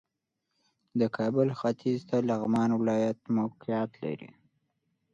د کابل ختیځ ته لغمان ولایت موقعیت لري